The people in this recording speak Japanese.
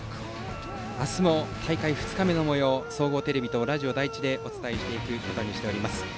明日も大会２日目のもようを総合テレビとラジオ第１でお伝えしていくことにしております。